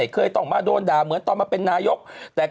ขอบพระคุณค่ะ